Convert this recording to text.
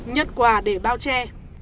nhất quà để bao che